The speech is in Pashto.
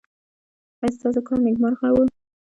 ایا ستاسو کال نیکمرغه و؟